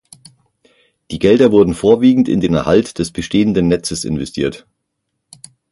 Die Gelder wurden vorwiegend in den Erhalt des bestehenden Netzes investiert.